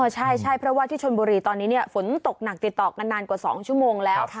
ใช่เพราะว่าที่ชนบุรีตอนนี้ฝนตกหนักติดต่อกันนานกว่า๒ชั่วโมงแล้ว